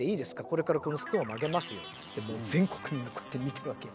これからこのスプーンを曲げますよ」っつって全国民がこうやって見てるわけ。